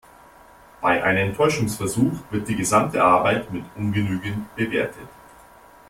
Bei einem Täuschungsversuch wird die gesamte Arbeit mit ungenügend bewertet.